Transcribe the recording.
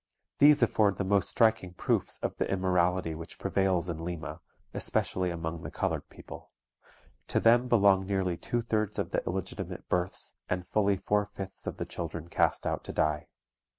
These afford the most striking proofs of the immorality which prevails in Lima, especially among the colored people. To them belong nearly two thirds of the illegitimate births, and fully four fifths of the children cast out to die.